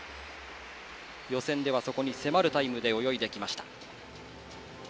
予選ではそこに迫るタイムで泳いできました。